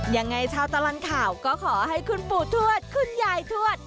ยังไงชาวตลอดข่าวก็ขอให้คุณปู่ทวดคุณยายทวด